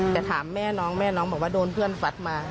แต่ถามแม่น้องแม่น้องบอกว่าโดนเพื่อนฟัดมา